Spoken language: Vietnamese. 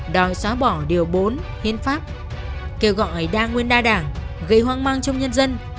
đòi xóa bỏ điều bốn hiến pháp kêu gọi đa nguyên đa đảng gây hoang mang trong nhân dân